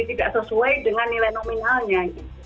tidak sesuai dengan nilai nominalnya